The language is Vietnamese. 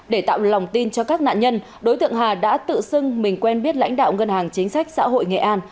để tạo lòng tin cho các nạn nhân đối tượng hà đã tự xưng mình quen biết lãnh đạo ngân hàng chính sách xã hội nghệ an